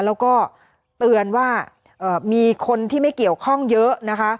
แล้วก็เตือนว่ามีคนที่ไม่เกี่ยวข้องเยอะนะคะ